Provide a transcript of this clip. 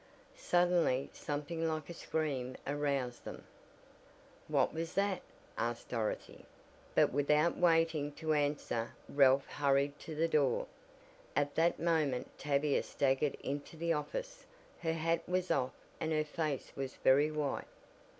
Suddenly something like a scream aroused them. "What was that?" asked Dorothy, but without waiting to answer Ralph hurried to the door. At that moment Tavia staggered into the office. Her hat was off and her face was very white.